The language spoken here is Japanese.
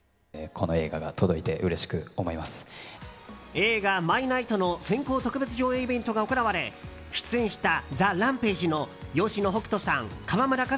映画「ＭＹＮＩＧＨＴマイ・ナイト」の先行特別上映イベントが行われ出演したＴＨＥＲＡＭＰＡＧＥの吉野北人さん、川村壱